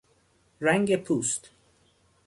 رنگ پوست